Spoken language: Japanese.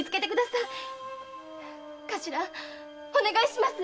頭お願いします！